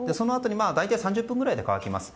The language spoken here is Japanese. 大体、３０分ぐらいで乾きます。